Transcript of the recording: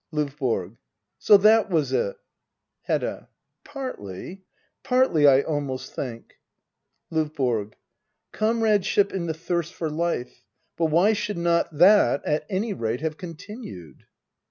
LdVBORO. So that was it? Hedda. Partly. Partly — I almost think. LOVBORG. Comradeship in the thirst for life. But why should not that, at any rate, have continued